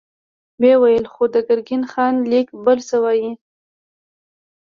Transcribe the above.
ويې ويل: خو د ګرګين خان ليک بل څه وايي.